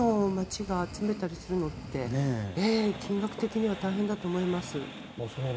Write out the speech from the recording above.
地方の街が集めたりするのって金額的には大変だと思います。